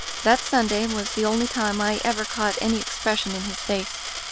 That Sunday was the only time I ever caught any expression in his face.